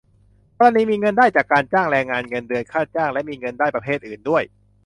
กรณีมีเงินได้จากการจ้างแรงงาน เงินเดือน ค่าจ้าง และมีเงินได้ประเภทอื่นด้วย